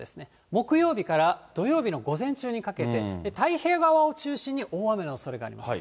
木曜日から土曜日の午前中にかけて、太平洋側を中心に大雨のおそれがあります。